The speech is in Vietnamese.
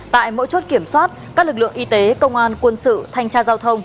tại mỗi chốt kiểm soát các lực lượng y tế công an quân sự thanh tra giao thông